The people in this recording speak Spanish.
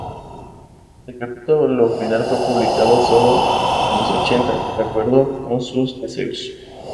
El capítulo final fue publicado solo en los ochenta, de acuerdo con sus deseos.